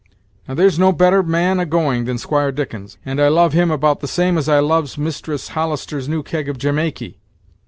Now, there's no better man a going than Squire Dickens, and I love him about the same as I loves Mistress Hollister's new keg of Jamaiky."